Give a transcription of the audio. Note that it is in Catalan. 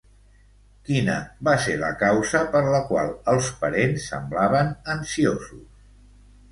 Quina va ser la causa per la qual els parents semblaven ansiosos?